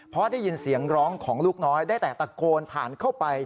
เพราะได้ยินเสียงร้องของลูกน้อยได้แต่ตะโกนผ่านเข้าไป